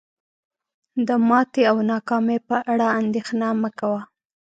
د ماتي او ناکامی په اړه اندیښنه مه کوه